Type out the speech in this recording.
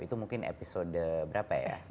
itu mungkin episode berapa ya